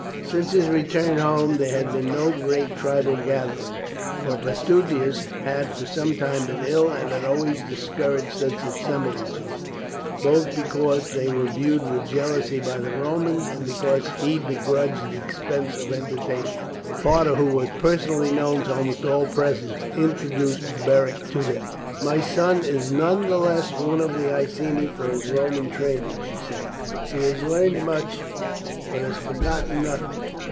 Since his return home there had been no great tribal gathering, for Prasutagus had for some time been ill, and had always discouraged such assemblages both because they were viewed with jealousy by the Romans and because he begrudged the expenses of entertaining. Parta, who was personally known to almost all present, introduced Beric to them. "My son is none the less one of the Iceni for his Roman training," she said; "he has learned much, but has forgotten nothing.